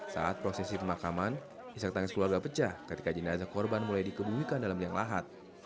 saat prosesi pemakaman isak tangis keluarga pecah ketika jenazah korban mulai dikebumikan dalam liang lahat